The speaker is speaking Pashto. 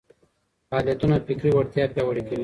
فعالیتونه فکري وړتیا پياوړې کوي.